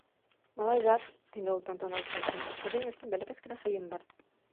- Малайҙар, - тине ул тантаналы тауыш менән, - һеҙҙең өсөн бәләкәс кенә һыйым бар.